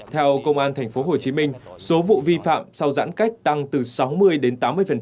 theo công an tp hcm số vụ vi phạm sau giãn cách tăng từ sáu mươi đến tám mươi